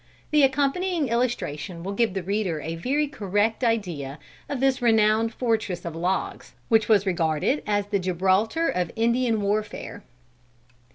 The accompanying illustration will give the reader a very correct idea of this renowned fortress of logs, which was regarded as the Gibraltar of Indian warfare.